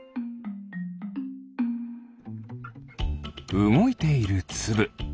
うごいているつぶ。